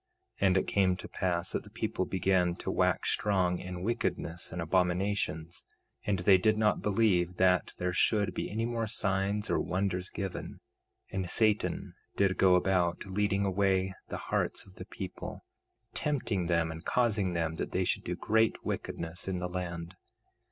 2:3 And it came to pass that the people began to wax strong in wickedness and abominations; and they did not believe that there should be any more signs or wonders given; and Satan did go about, leading away the hearts of the people, tempting them and causing them that they should do great wickedness in the land.